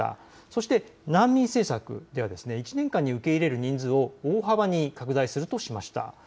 そして難民政策では１年間に受け入れる人数を大幅に拡大するとしました。